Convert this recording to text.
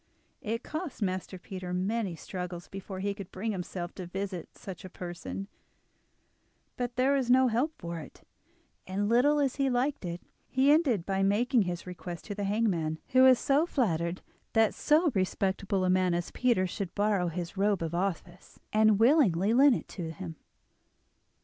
It cost Master Peter many struggles before he could bring himself to visit such a person, but there was no help for it, and, little as he liked it, he ended by making his request to the hangman, who was flattered that so respectable a man as Peter should borrow his robe of office, and willingly lent it to him.